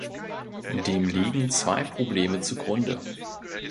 Dem liegen zwei Probleme zugrunde.